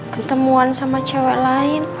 ketemuan sama cewek lain